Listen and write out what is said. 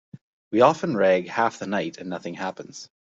We often rag half the night and nothing happens.